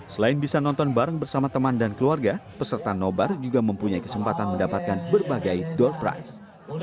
selain bisa nonton bareng bersama teman dan keluarga peserta nobar juga mempunyai kesempatan mendapatkan berbagai door price